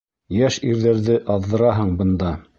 Йәш ирҙәрҙе аҙҙыраһың бында...